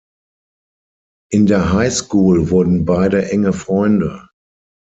In der High School wurden beide enge Freunde.